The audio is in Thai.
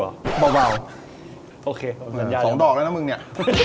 โอเคสัญญาณเลยนะของดอกแล้วนะมึงเนี่ย